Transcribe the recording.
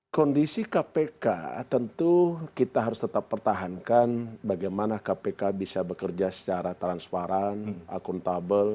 kondisi kpk tentu kita harus tetap pertahankan bagaimana kpk bisa bekerja secara transparan akuntabel